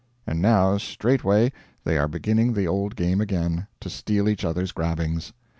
And now straightway they are beginning the old game again to steal each other's grabbings.